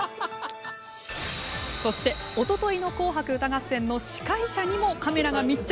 そして、おとといの「紅白歌合戦」の司会者にもカメラが密着。